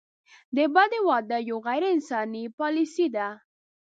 د بدۍ واده یوه غیر انساني پالیسي ده.